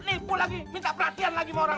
lo menipu lo tuh gak bohong